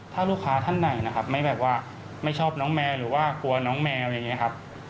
ถ้าลูกค้าท่านไหนไม่ชอบน้องแมวหรือว่ากลัวน้องแมวอย่างนี้ครับ